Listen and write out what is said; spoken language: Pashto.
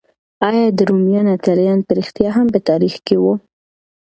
ایا د رومان اتلان په رښتیا هم په تاریخ کې وو؟